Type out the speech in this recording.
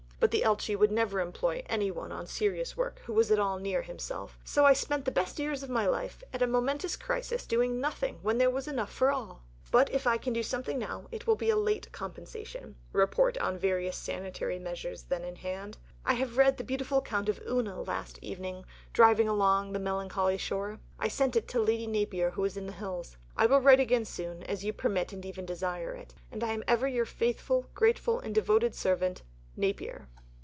But the Elchi would never employ any one on serious work who was at all near himself, so I spent the best years of my life at a momentous crisis doing nothing when there was enough for all! But if I can do something now it will be a late compensation ... [report on various sanitary measures then in hand]. I have read the beautiful account of "Una" last evening driving along the melancholy shore. I send it to Lady Napier, who is in the Hills. I will write again soon, as you permit and even desire it, and I am ever your faithful, grateful and devoted Servant, NAPIER.